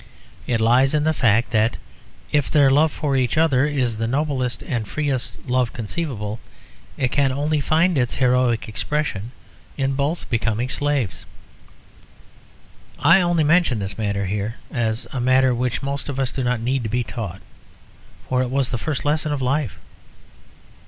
It lies in the fact that if their love for each other is the noblest and freest love conceivable, it can only find its heroic expression in both becoming slaves. I only mention this matter here as a matter which most of us do not need to be taught; for it was the first lesson of life.